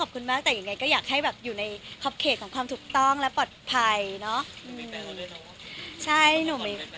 ขอบคุณมากแต่ยังไงก็อยากให้แบบอยู่ในขอบเขตของความถูกต้องและปลอดภัยเนอะ